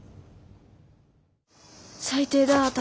「最低だ私」。